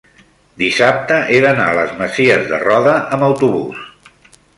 dissabte he d'anar a les Masies de Roda amb autobús.